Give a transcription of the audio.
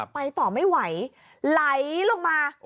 ไปต่อไม่ไหวไหลลงมา